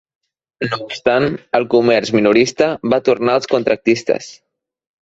No obstant, el comerç minorista va tornar als contractistes.